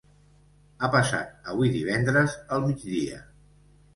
Ha passat avui divendres al migdia.